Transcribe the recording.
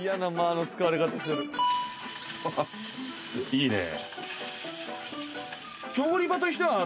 いいね。